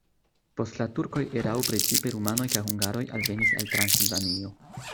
Post la turkoj erao precipe rumanoj kaj hungaroj alvenis el Transilvanio.